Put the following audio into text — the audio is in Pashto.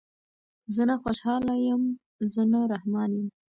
زه نه خوشحال یم زه نه رحمان یم